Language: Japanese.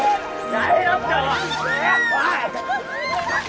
やめろっておい！